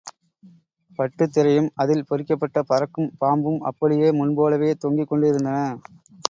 பட்டுத்திரையும் அதில் பொறிக்கப்பட்ட பறக்கும் பாம்பும் அப்படியே முன்போலவே தொங்கிக் கொண்டிருந்தன.